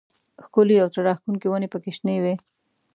ښکلې او زړه راښکونکې ونې پکې شنې وې.